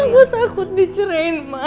aku takut dicerahin ma